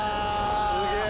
すげえ。